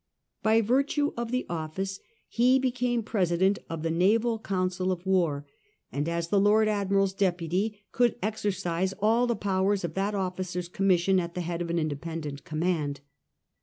By virtue of the ofl&ce he became President of the Naval Council of War, and as the Lord Admiral's deputy, could exercise all the powers of that oflBcer's commission at the head of an independent command.